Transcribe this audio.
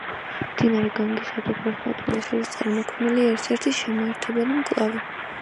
მდინარე განგისა და ბრაჰმაპუტრას შორის წარმოქმნილი ერთ-ერთი შემაერთებელი მკლავი.